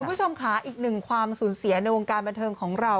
คุณผู้ชมค่ะอีกหนึ่งความสูญเสียในวงการบันเทิงของเรา